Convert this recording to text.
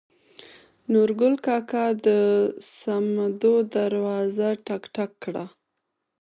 نورګل کاکا د سمدو دروازه ټک ټک کړه.